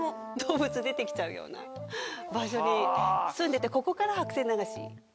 ような場所に住んでてここから。